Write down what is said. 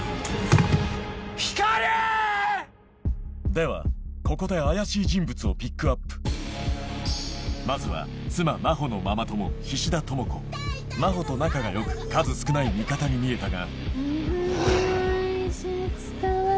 ではここで怪しい人物をピックアップまずは真帆と仲が良く数少ない味方に見えたが